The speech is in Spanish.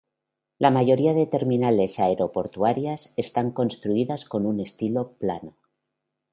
La mayoría de terminales aeroportuarias está construidas con un estilo plano.